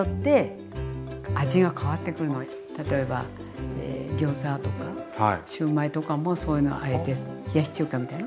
毎日例えばギョーザとかシューマイとかもそういうのをあえて冷やし中華みたいな。